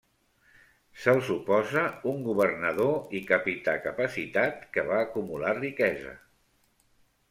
Se'l suposa un governador i capità capacitat que va acumular riquesa.